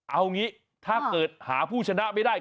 เอางี้ถ้าเกิดหาผู้ชนะไม่ได้